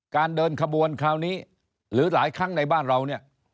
เดินขบวนคราวนี้หรือหลายครั้งในบ้านเราเนี่ย